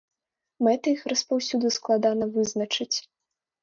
Мэты іх распаўсюду складана вызначыць.